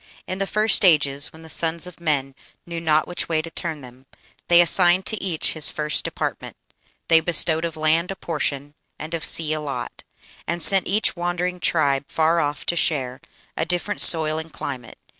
In the first ages, when the sons of men Knew not which way to turn them, they assigned To each his first department; they bestowed Of land a portion and of sea a lot, And sent each wandering tribe far off to share A different soil and climate.